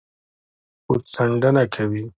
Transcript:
ګوتڅنډنه کوي